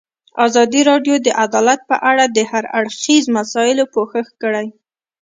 ازادي راډیو د عدالت په اړه د هر اړخیزو مسایلو پوښښ کړی.